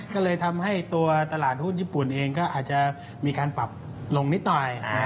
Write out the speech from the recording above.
ก็เลยทำให้ตัวตลาดหุ้นญี่ปุ่นเองก็อาจจะมีการปรับลงนิดหน่อย